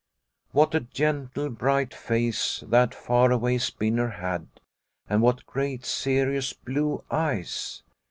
What a gentle, bright face that far away spinner had, and what great serious blue eyes